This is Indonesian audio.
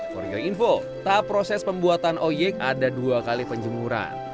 for your info tahap proses pembuatan oyek ada dua kali penjemuran